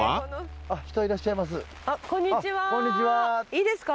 いいですか？